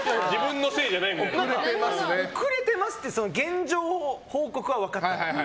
遅れてますって現状を報告は分かった。